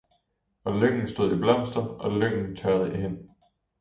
Og lyngen stod i blomster og lyngen tørrede hen.